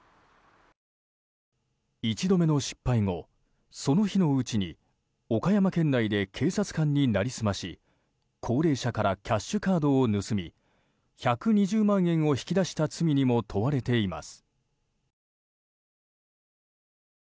１度目の失敗後その日のうちに岡山県内で警察官になりすまし、高齢者からキャッシュカードを盗み１２０万円を引き出した罪にも問われています。